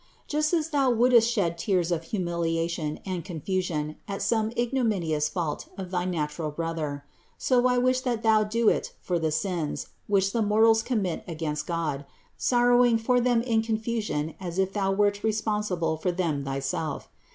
Just as thou wouldst shed tears of humiliation and con fusion at some ignominious fault of thy natural brother; so I wish that thou do it for the sins, which the mortals commit against God, sorrowing for them in confusion as if thou wert responsible for them thyself.